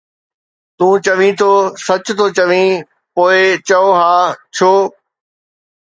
تون چوين ٿو، ’سچ ٿو چوين‘، پوءِ چئو، ’ها، ڇو؟